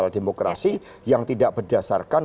demokrasi yang tidak berdasarkan